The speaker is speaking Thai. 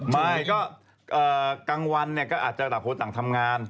ไม่ก็กลางวันเนี่ยก็อาจจะหลับโทรศักดิ์ทำงาน